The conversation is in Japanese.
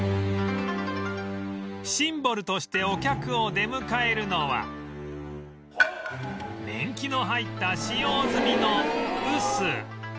シンボルとしてお客を出迎えるのは年季の入った使用済みの臼